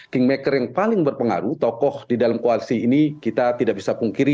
kingmaker yang paling berpengaruh tokoh di dalam koalisi ini kita tidak bisa pungkiri